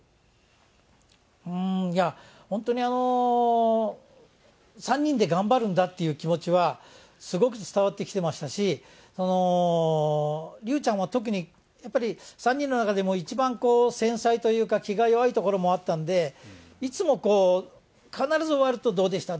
いや、本当に、３人で頑張るんだっていう気持ちはすごく伝わってきてましたし、竜ちゃんは特にやっぱり、３人の中でも一番繊細というか、気が弱いところもあったんで、いつも、必ず終わると、どうでした？